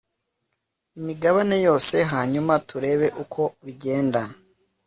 imigabane yose hanyuma turebe uko bigenda